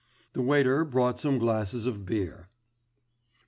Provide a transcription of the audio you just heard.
The waiter brought some glasses of beer.